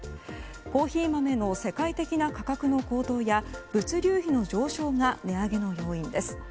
コーヒー豆の世界的な価格の高騰や物流費の上昇が値上げの要因です。